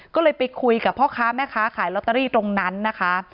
ก็เลยไปคุยกับพ่อค้าแม่ค้าขายลอตเตอรี่ตรงนั้นนะคะ